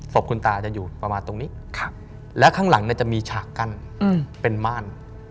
คุณตาจะอยู่ประมาณตรงนี้และข้างหลังจะมีฉากกั้นเป็นม่าน